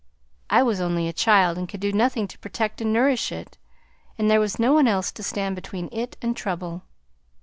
I was only a child and could do nothing to protect and nourish it, and there was no one else to stand between it and trouble.